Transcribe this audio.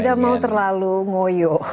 tidak mau terlalu ngoyo